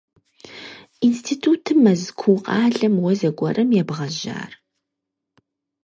Институтым Мэзкуу къалэ уэ зэгуэрым ебгъэжьар?